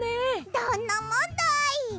どんなもんだい！